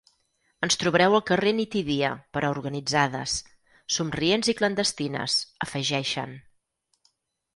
Ens trobareu al carrer nit i dia, però organitzades; somrients i clandestines, afegeixen.